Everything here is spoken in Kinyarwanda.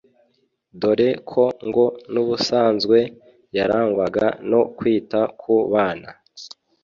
dore ko ngo n’ubusanzwe yarangwaga no kwita ku bana